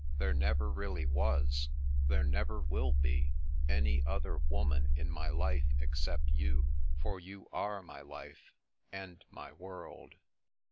There never really was, there never will be, any other woman in my life except you : for you are my Life and my World."